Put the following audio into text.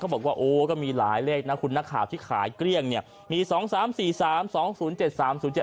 บอกว่าโอ้ก็มีหลายเลขนะคุณนักข่าวที่ขายเกลี้ยงเนี่ยมีสองสามสี่สามสองศูนย์เจ็ดสามศูนย์